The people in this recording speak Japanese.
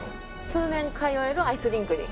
通年通えるアイスリンクに。